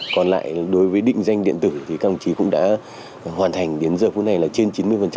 còn lại đối với định danh điện tử thì các ông chí cũng đã hoàn thành đến giờ phút này là trên chín mươi